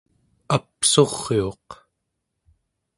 apsuriuq